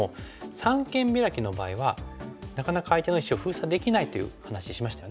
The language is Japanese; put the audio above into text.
三間ビラキの場合はなかなか相手の石を封鎖できないという話しましたよね。